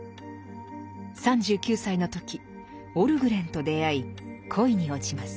３９歳の時オルグレンと出会い恋に落ちます。